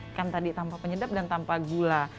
ikan tadi tanpa penyedap dan tanpa gula